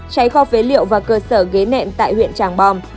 cháy kho phế liệu và cơ sở ghế nệm tại huyện tràng bom